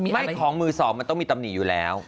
มันของมือสองมันต้องมีตำหนิอยู่แล้ว